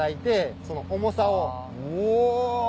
お！